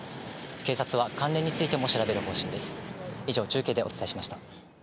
警察は関連についても調べる方針です。